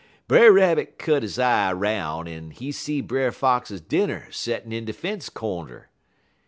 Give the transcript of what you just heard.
"Brer Rabbit cut he eye 'roun' en he see Brer Fox dinner settin' in de fence cornder.